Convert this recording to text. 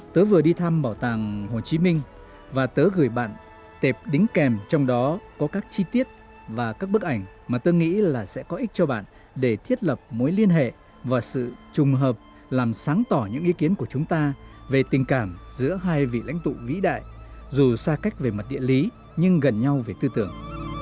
tớ vừa đi thăm bảo tàng hồ chí minh và tớ gửi bạn tệp đính kèm trong đó có các chi tiết và các bức ảnh mà tớ nghĩ là sẽ có ích cho bạn để thiết lập mối liên hệ và sự trùng hợp làm sáng tỏ những ý kiến của chúng ta về tình cảm giữa hai vị lãnh tụ vĩ đại dù xa cách về mặt địa lý nhưng gần nhau về tư tưởng